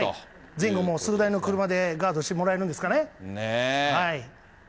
前後数台の車でガードしてもらえるんですかね。ねぇ。